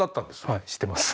はい知ってます。